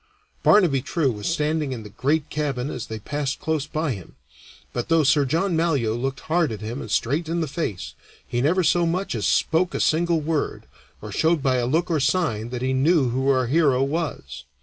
Barnaby True was standing in the great cabin as they passed close by him; but though Sir John Malyoe looked hard at him and straight in the face, he never so much as spoke a single word, or showed by a look or a sign that he knew who our hero was.